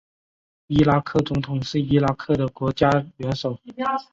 伊拉克总统是伊拉克的国家元首。